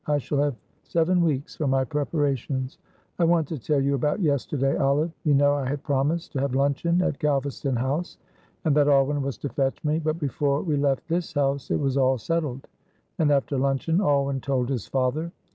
I shall have seven weeks for my preparations. I want to tell you about yesterday, Olive. You know I had promised to have luncheon at Galvaston House, and that Alwyn was to fetch me, but before we left this house it was all settled, and after luncheon Alwyn told his father.